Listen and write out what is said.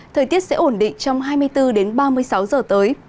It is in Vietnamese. thời tiết sẽ ổn định trong hai mươi bốn đến ba mươi sáu giờ tới